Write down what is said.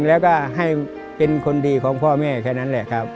แล้วก็ให้เป็นคนดีของพ่อแม่แค่นั้นแหละครับ